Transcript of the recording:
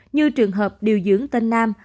như trường hợp điều dưỡng tên nam